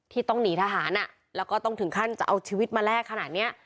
ต้องหนีทหารแล้วก็ต้องถึงขั้นจะเอาชีวิตมาแลกขนาดเนี้ย